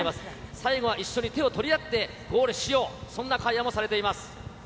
最後は一緒に手を取り合ってゴールしよう、そんな会話もされています。